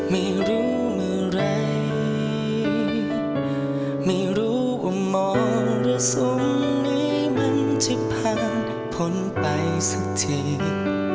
ไม่รู้เมื่อไหร่ไม่รู้ว่ามองและสงในมันจะผ่านผลไปสักที